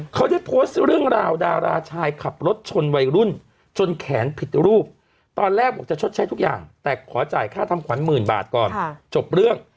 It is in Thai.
เขาได้โพสต์เรื่องราวดาราชายขับรถชนวัยรุ่นจนแขนผิดรูปตอนแรกบอกจะชดใช้ทุกอย่างแต่ขอจ่ายค่าทำขวัญหมื่นบาทก่อนจบเรื่อง